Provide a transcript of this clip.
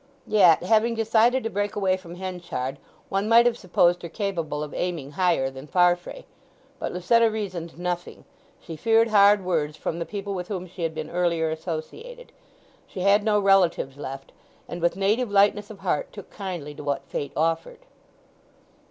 Yet having decided to break away from Henchard one might have supposed her capable of aiming higher than Farfrae. But Lucetta reasoned nothing: she feared hard words from the people with whom she had been earlier associated; she had no relatives left; and with native lightness of heart took kindly to what fate offered.